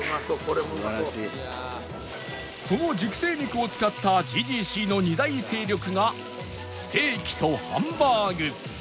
その熟成肉を使った ＧＧＣ の二大勢力がステーキとハンバーグ